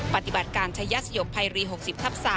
ปฏิบัติการชายสยบภัยรี๖๐ทับ๓